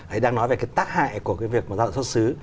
anh đang nói về cái tác hại của cái việc mà dạo xuất xứ